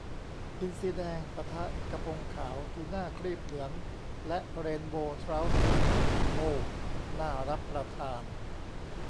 อินทรีแดง ปะทะ กะพงขาว ทูน่าครีบเหลือง และ เรนโบว์เทราต์สลิ่ม โอว น่ารับประทาน